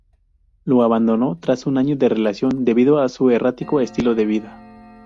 Lo abandonó tras un año de relación, debido a su errático estilo de vida.